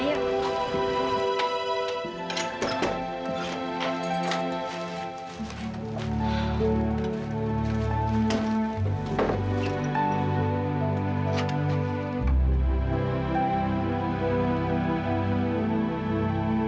lihat mas adik anda sudah sembuh